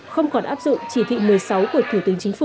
không còn áp dụng chỉ thị một mươi sáu của thủ tướng chính phủ